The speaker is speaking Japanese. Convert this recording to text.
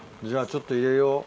じゃあちょっと入れるよ。